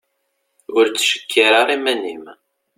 Ur ttcekkir ara iman-im.